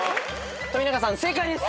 富永さん正解です。